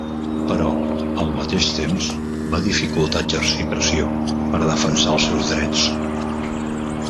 Però, al mateix temps, va dificultar exercir pressió per a defensar els seus drets.